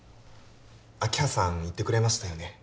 明葉さん言ってくれましたよね